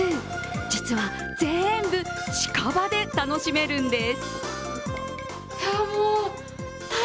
実は全部近場で楽しめるんです。